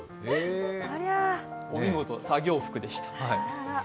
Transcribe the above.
お見事、作業服でした。